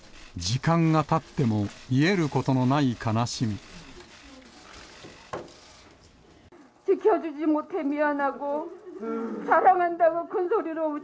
時間がたっても、癒えることのない悲しみ。